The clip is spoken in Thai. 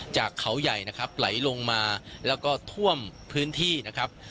จากเขาใหญ่นะครับไหลลงมาแล้วก็ท่วมพื้นที่นะครับ